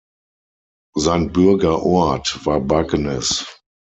Sein Bürgerort war Bagnes.